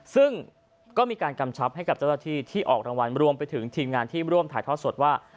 ซึ่งก็มีการกำชับให้กับเจ้าหน้าที่ที่ออกรางวัลรวมไปถึงทีมงานที่ร่วมถ่ายทอดสดว่า